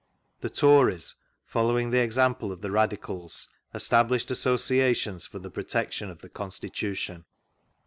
The Tories, following the examjAe of the Radicals, established Associations for the protection of the Constitution.